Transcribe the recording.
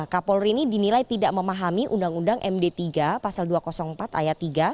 kapolri ini dinilai tidak memahami undang undang md tiga pasal dua ratus empat ayat tiga